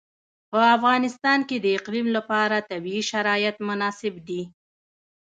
په افغانستان کې د اقلیم لپاره طبیعي شرایط مناسب دي.